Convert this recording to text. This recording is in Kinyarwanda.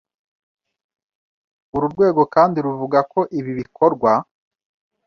Uru rwego kandi ruvuga ko ibi bikorwa